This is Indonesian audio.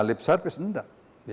lip service enggak